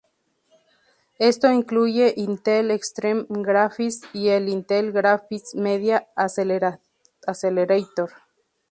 Esto incluye Intel Extreme Graphics y el Intel Graphics Media Accelerator.